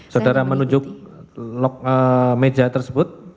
saudara menunjuk meja tersebut